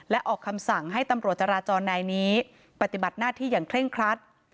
และออกคำสั่งให้ตำรวจจราจรนายนี้ปฏิบัติหน้าที่อย่างเคร่งครัด